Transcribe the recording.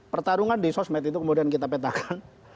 pertarungan di sosmed itu kemudian kita petakan